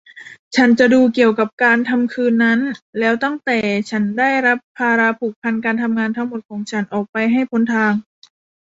ฉันจะดูเกี่ยวกับการทำคืนนั้นแล้วตั้งแต่ฉันได้รับภาระผูกพันการทำงานทั้งหมดของฉันออกไปให้พ้นทาง